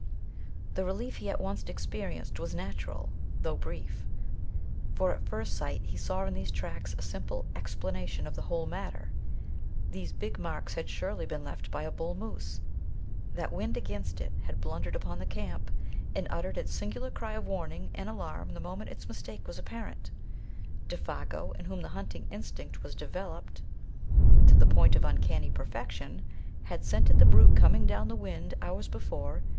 The relief he at once experienced was natural, though brief; for at first sight he saw in these tracks a simple explanation of the whole matter: these big marks had surely been left by a bull moose that, wind against it, had blundered upon the camp, and uttered its singular cry of warning and alarm the moment its mistake was apparent. Défago, in whom the hunting instinct was developed to the point of uncanny perfection, had scented the brute coming down the wind hours before.